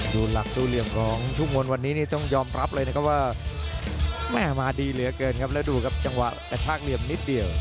ดูหลักดูเหลี่ยมของทุ่งมนต์วันนี้นี่ต้องยอมรับเลยนะครับว่าแม่มาดีเหลือเกินครับแล้วดูครับจังหวะกระชากเหลี่ยมนิดเดียว